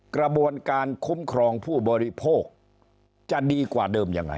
กระบวนการคุ้มครองผู้บริโภคจะดีกว่าเดิมยังไง